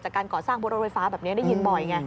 การก่อสร้างบนรถไฟฟ้าแบบนี้ได้ยินบ่อยไง